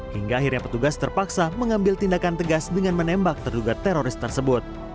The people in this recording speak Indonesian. hingga akhirnya petugas terpaksa mengambil tindakan tegas dengan menembak terduga teroris tersebut